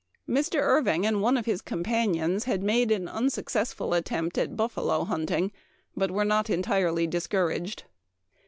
Mr. Irving and one of his companions had made an unsuccessful attempt at buffalo hunt ing but were not entirely discouraged.